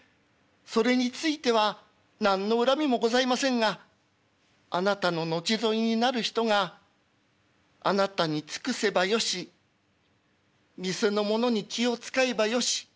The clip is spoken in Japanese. それについては何の恨みもございませんがあなたの後添いになる人があなたに尽くせばよし店の者に気を遣えばよし。